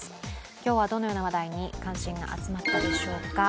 今日はどのような話題に関心が集まったでしょうか。